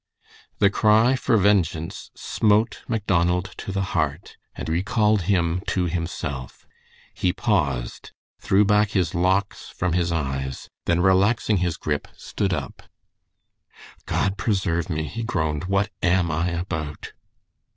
The cry for vengeance smote Macdonald to the heart, and recalled him to himself. He paused, threw back his locks from his eyes, then relaxing his grip, stood up. "God preserve me!" he groaned, "what am I about?"